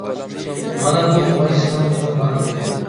مانا بۇ موماي سېنىڭ، مېنىڭ ئانام ئىدى.